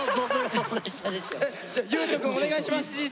優斗くんお願いします！